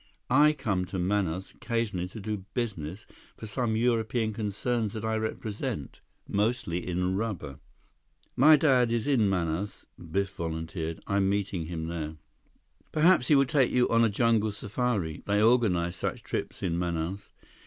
I come to Manaus occasionally to do business for some European concerns that I represent. Mostly in rubber." "My dad is in Manaus," Biff volunteered. "I'm meeting him there." "Perhaps he will take you on a jungle safari. They organize such trips in Manaus."